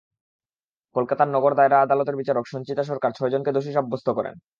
কলকাতার নগর দায়রা আদালতের বিচারক সঞ্চিতা সরকার ছয়জনকে দোষী সাব্যস্ত করেন।